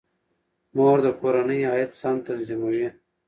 مور د کورنۍ عاید سم تنظیموي.